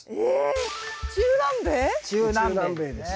中南米ですね。